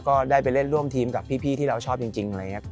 ก็ได้ไปเล่นร่วมทีมกับพี่ที่เราชอบจริงอะไรอย่างนี้